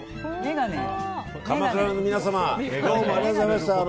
鎌倉の皆様どうもありがとうございました。